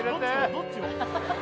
どっちを？